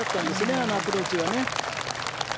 あのアプローチはね。